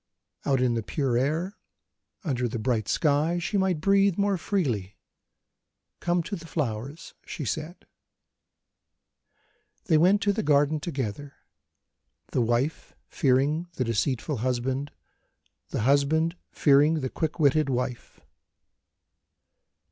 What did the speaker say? Out in the pure air, under the bright sky, she might breathe more freely. "Come to the flowers," she said. They went to the garden together the wife fearing the deceitful husband, the husband fearing the quick witted wife.